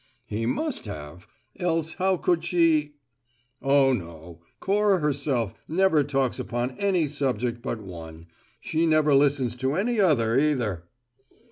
"He must have. Else how could she " "Oh, no, Cora herself never talks upon any subject but one; she never listens to any other either."